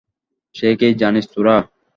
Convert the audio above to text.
সে কে জানিস তোরা?